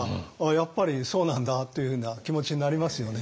やっぱりそうなんだというふうな気持ちになりますよね。